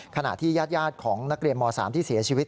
ขณะที่ญาติของนักเรียนม๓ที่เสียชีวิต